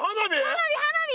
花火花火！